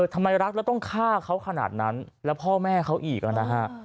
ทำไมรักแล้วต้องฆ่าเขาขนาดนั้นแล้วพ่อแม่เขาอีกนะฮะ